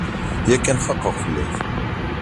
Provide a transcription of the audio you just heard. Yakan xaqeɣ fell-ak.